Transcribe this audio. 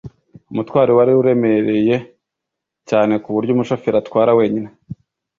Umutwaro wari uremereye cyane kuburyo umushoferi atwara wenyine.